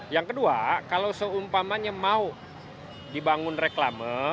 yang kedua kalau seumpamanya mau dibangun reklama